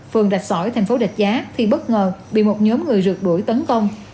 phường rạch sỏi thành phố rạch giá thì bất ngờ bị một nhóm người rượt đuổi tấn công